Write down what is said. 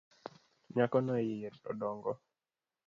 Nyakono iye odongo.